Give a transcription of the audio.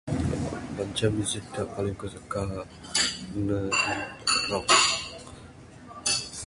Banca music da paling ku suka ne rock.